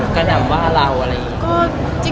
ก็คือแบบกระดำว่าเราอะไรอย่างนี้